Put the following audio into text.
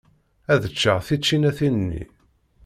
Ad ččeɣ tičinatin-nni.